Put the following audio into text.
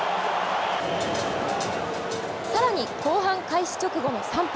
さらに、後半開始直後の３分。